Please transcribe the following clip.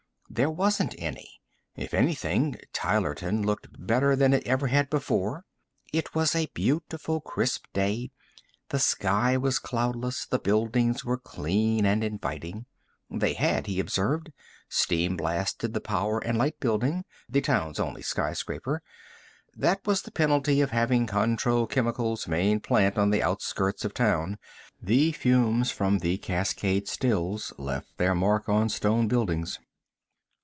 There wasn't any. If anything, Tylerton looked better than it ever had before: It was a beautiful crisp day, the sky was cloudless, the buildings were clean and inviting. They had, he observed, steam blasted the Power & Light Building, the town's only skyscraper that was the penalty of having Contro Chemical's main plant on the outskirts of town; the fumes from the cascade stills left their mark on stone buildings.